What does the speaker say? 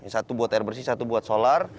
satu buat air bersih satu buat solar